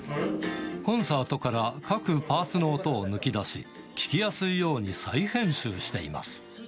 コンサートから各パーツの音を抜き出し、聴きやすいように再編集しています。